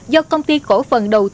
do công ty cổ phần đầu tiên